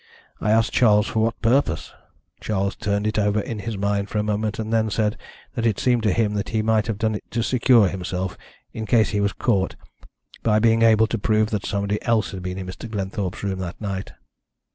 I asked Charles for what purpose? Charles turned it over in his mind for a moment, and then said that it seemed to him that he might have done it to secure himself, in case he was caught, by being able to prove that somebody else had been in Mr. Glenthorpe's room that night.